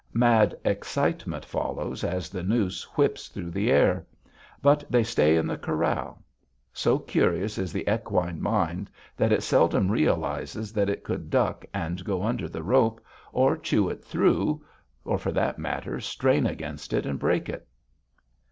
Mad excitement follows as the noose whips through the air. But they stay in the corral. So curious is the equine mind that it seldom realizes that it could duck and go under the rope, or chew it through, or, for that matter, strain against it and break it.